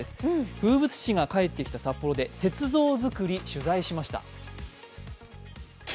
風物詩が帰ってきた札幌で雪像づくり、取材しました。